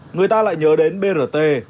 người ta lại nhớ đến brt